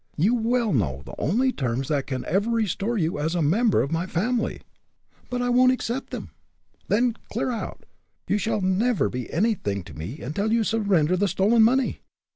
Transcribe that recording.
"You well know the only terms that can ever restore you as a member of my family." "But I won't accept 'em!" "Then clear out. You shall never be anything to me till you surrender the stolen money."